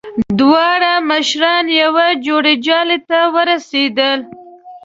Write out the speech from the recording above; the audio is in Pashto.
دواړه مشران يوه جوړجاړي ته ورسېدل.